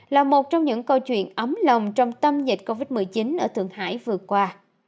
là một trong những câu chuyện ấm lòng trong tâm dịch covid một mươi chín ở thượng hải vừa qua